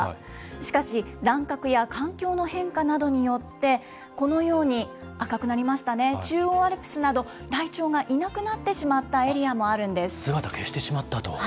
しかし、乱獲や環境の変化などによって、このように、赤くなりましたね、中央アルプスなど、ライチョウがいなくなってしまったエ姿消してしまったと。